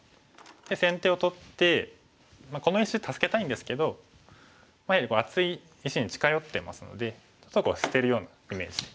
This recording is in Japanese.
先手を取ってこの石助けたいんですけど厚い石に近寄ってますのでちょっと捨てるようなイメージで。